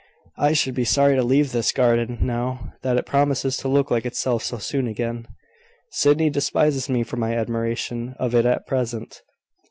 I should be sorry to leave this garden now that it promises to look like itself so soon again. Sydney despises me for my admiration of it at present.